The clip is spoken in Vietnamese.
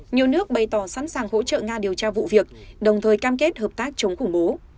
nhiều nước bày tỏ sẵn sàng hỗ trợ nga điều tra vụ việc đồng thời cam kết hợp tác chống khủng bố